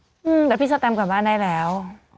อืมแล้วพี่สแตมกลับบ้านได้แล้ว